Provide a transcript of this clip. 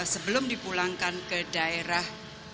sebelum dipulangkan ke daerah